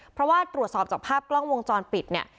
เพราะว่าตรวจสอบจากภาพกล้องวงจรปิดเนี่ย